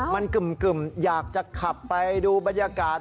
มันกึ่มอยากจะขับไปดูบรรยากาศ